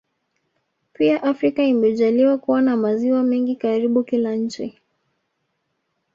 Pia Afrika imejaliwa kuwa na maziwa mengi karibu kila nchi